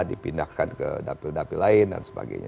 dipindahkan ke dapil dapil lain dan sebagainya